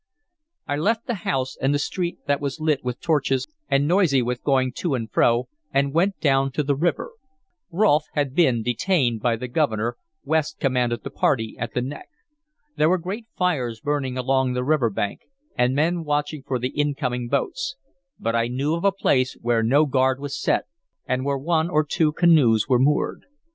I left the house, and the street that was lit with torches and noisy with going to and fro, and went down to the river. Rolfe had been detained by the Governor, West commanded the party at the neck. There were great fires burning along the river bank, and men watching for the incoming boats; but I knew of a place where no guard was set, and where one or two canoes were moored.